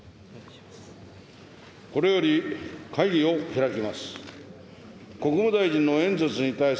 これより会議を開きます。